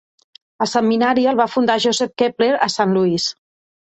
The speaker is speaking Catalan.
El setmanari el va fundar Joseph Keppler a Saint Louis.